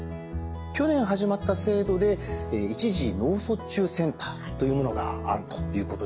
去年始まった制度で「一次脳卒中センター」というものがあるということでしたね。